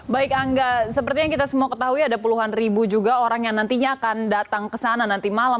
baik angga seperti yang kita semua ketahui ada puluhan ribu juga orang yang nantinya akan datang ke sana nanti malam